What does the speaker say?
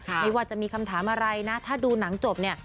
ไม่ว่าจะมีคำถามอะไรนะถ้าดูหนังจบเนี่ย